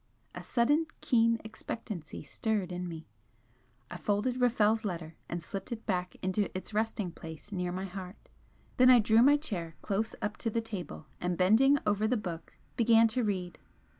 A sudden keen expectancy stirred in me I folded Rafel's letter and slipped it back into its resting place near my heart then I drew my chair close up to the table, and bending over the book began to read.